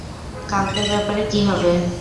কালকের ব্যাপারে কী হবে?